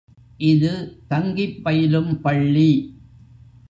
இது தங்கிப் பயிலும் பள்ளி.